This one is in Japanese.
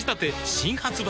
新発売